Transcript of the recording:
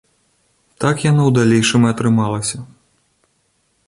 Так яно ў далейшым і атрымалася.